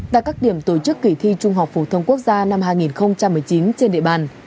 tại các điểm tổ chức kỳ thi trung học phổ thông quốc gia năm hai nghìn một mươi chín trên địa bàn